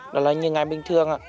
đó là như ngày bình thường